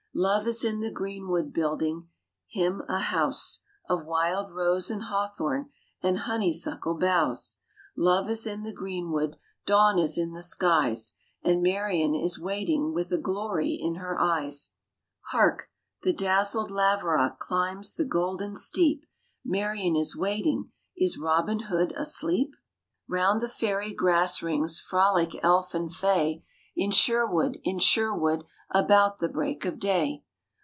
Love is in the greenwood building him a house Of wild rose and hawthorn and honeysuckle boughs: Love is in the greenwood: dawn is in the skies; And Marian is waiting with a glory in her eyes. Hark! The dazzled laverock climbs the golden steep: Marian is waiting: is Robin Hood asleep? RAINBOW GOLD Round the fairy grass rings frolic elf and fay, In Sherwood, in Sherwood, about the break of day.